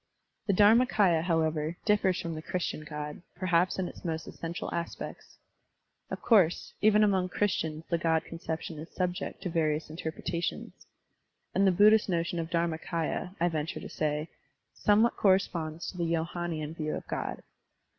The Dharmakdya, however, differs from the Christian God, perhaps in its most essential aspects. Of course, even among Christians the Digitized by Google 4$ SERMONS OF A BUDDHIST ABBOT God conception is subject to vajrious interpre tations ; and the Buddhist notion of Dharmak^ya, I venture to say, somewhat corresponds to the Johannean view of God.